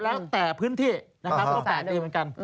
แล้วแต่พื้นที่นะครับก็๘ปีเหมือนกัน